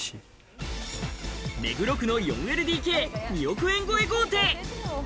目黒区の４ＬＤＫ２億円超え豪邸。